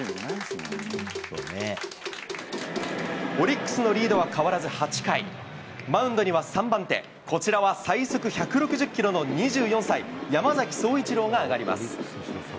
オリックスのリードは変わらず８回、マウンドには３番手、こちらは最速１６０キロの２４歳、山崎颯一郎が上がります。